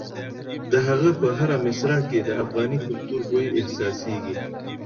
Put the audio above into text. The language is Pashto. د هغه په هره مصرع کې د افغاني کلتور بوی احساسېږي.